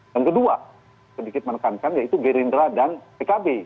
yang kedua sedikit menekankan yaitu gerindra dan pkb